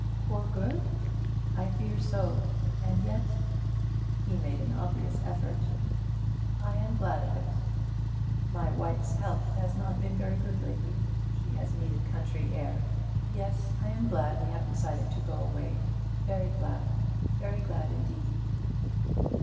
'For good?' 'I fear so, and yet' he made an obvious effort 'I am glad of it. My wife's health has not been very good lately. She has need of country air. Yes, I am glad we have decided to go away very glad very glad indeed!'